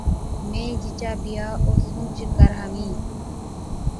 مين جِچا بِيها اوسُونچ ڪراوهِين‘۔